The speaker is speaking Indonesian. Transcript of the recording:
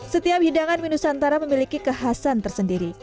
setiap hidangan menu santara memiliki kekhasan tersendiri